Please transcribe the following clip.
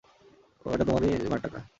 এটা তোমার মায়ের টাকা।